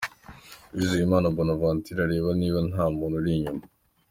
Uwizeyimana Bonaventure areba niba nta muntu umuri inyuma.